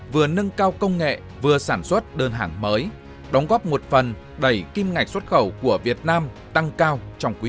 vừa nâng cao công nghệ vừa sản xuất đơn hàng mới đóng góp một phần đẩy kim ngạch xuất khẩu của việt nam tăng cao trong quý i